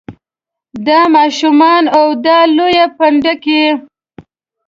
دا ماشومان او دا لوی پنډکی.